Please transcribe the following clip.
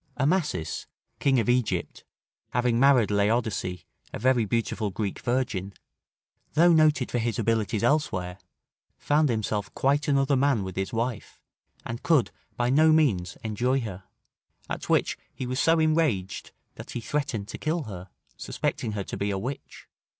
Amasis, King of Egypt, having married Laodice, a very beautiful Greek virgin, though noted for his abilities elsewhere, found himself quite another man with his wife, and could by no means enjoy her; at which he was so enraged, that he threatened to kill her, suspecting her to be a witch.